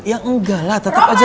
ya enggak lah tetap aja